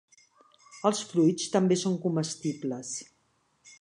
Els fruits també són comestibles.